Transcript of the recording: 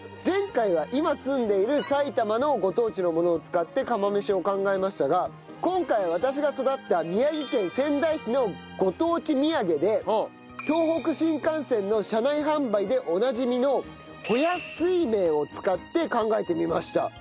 前回は今住んでいる埼玉のご当地のものを使って釜飯を考えましたが今回は私が育った宮城県仙台市のご当地土産で東北新幹線の車内販売でおなじみのほや酔明を使って考えてみました。